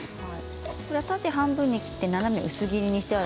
縦半分に切って斜め薄切りですね。